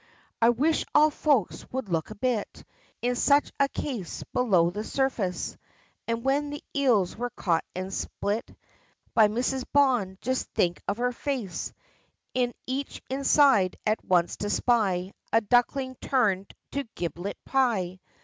I wish all folks would look a bit, In such a case below the surface; And when the eels were caught and split By Mrs. Bond, just think of her face, In each inside at once to spy A duckling turned to giblet pie!